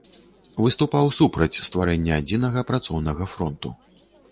Выступаў супраць стварэння адзінага працоўнага фронту.